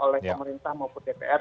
oleh pemerintah maupun dpr